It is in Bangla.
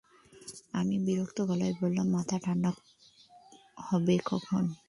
আমি বিরক্ত গলায় বললাম, মাথা ঠাণ্ডা হবে কখন?